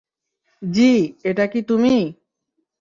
যী, এটা কি তুমি?